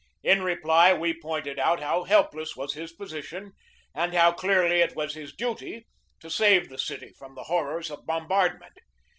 In reply we pointed out how helpless was his position and how clearly it was his duty to save the city from the horrors of bombardment.